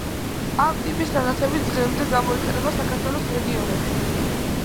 ამ ტიპის სანათები დღემდე გამოიყენება საქართველოს რეგიონებში.